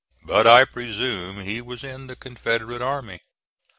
But I presume he was in the Confederate army.